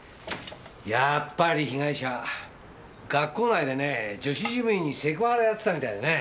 やっぱり被害者学校内でね女子事務員にセクハラやってたみたいでね。